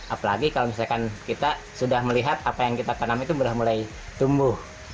apalagi kalau misalkan kita sudah melihat apa yang kita tanam itu sudah mulai tumbuh